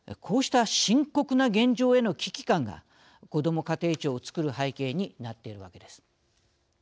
こうした深刻な現状への危機感がこども家庭庁を作る背景になっているわけです。